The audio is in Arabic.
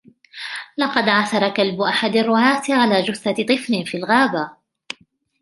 لقد عثر كلب أحد الرعاة على جثة طفل في الغابة.